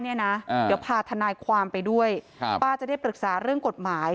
เดี๋ยวพาทนายความไปด้วยป้าจะได้ปรึกษาเรื่องกฎหมาย